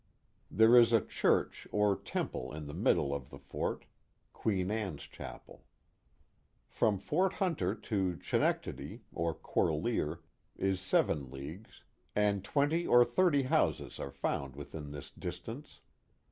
There is a church or temple in the middle of the fort (Queen Anne's Chapel). From Fort Hunter to Chenectadi, or Corlear, is seven leagues, and twenty or thirty houses are found within this distance.